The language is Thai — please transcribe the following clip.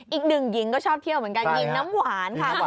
หญิงก็ชอบเที่ยวเหมือนกันหญิงน้ำหวานค่ะ